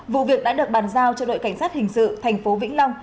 vụ việc đã được bàn giao cho đội cảnh sát hình sự tp vĩnh long